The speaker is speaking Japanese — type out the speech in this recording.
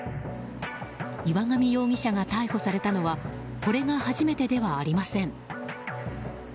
岩上容疑者が逮捕されたのはこれが初めてではありません。